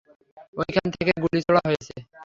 ঐখান থেকে গুলি ছোঁড়া হয়েছে!